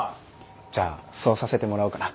じゃあそうさせてもらおうかな。